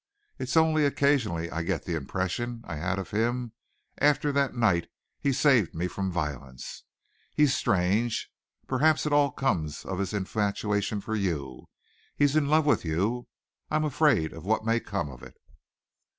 It's only occasionally I get the impression I had of him after that night he saved me from violence. He's strange. Perhaps it all comes of his infatuation for you. He is in love with you. I'm afraid of what may come of it."